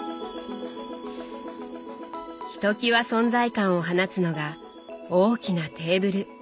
ひときわ存在感を放つのが大きなテーブル。